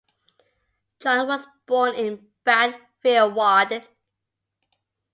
John was born in Bad Freienwalde.